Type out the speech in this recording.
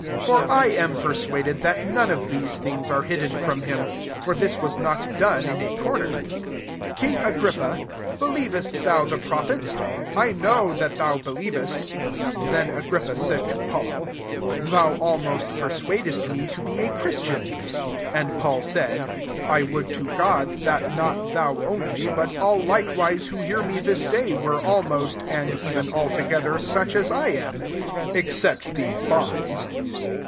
For I am persuad ed that none of these things are hidden from him : lor this was not done in a comer. 27 King* Agrippa, belie vest thou the prophets ? I know that thoa believest." 28 Then Agrippa Isaid] to Paul, " Thou almost persuadest me to be & Chris tian." 29 And Paul [*aiV/,] "I would to God, that not thou only, but all likewise who hear me this day, were almost, and even altogether, such as I am, except these bonds."